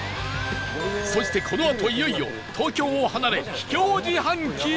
そして、このあといよいよ、東京を離れ秘境自販機へ